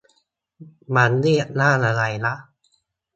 มันเรียกว่าอะไรนะ ?